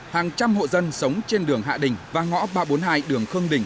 hàng trăm hộ dân sống trên đường hạ đình và ngõ ba trăm bốn mươi hai đường khương đình